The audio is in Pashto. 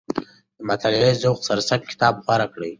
د مطالعې ذوق سره سم کتاب غوره کړئ.